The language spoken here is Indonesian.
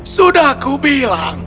sudah aku bilang